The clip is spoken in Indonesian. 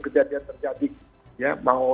kejadian terjadi ya mau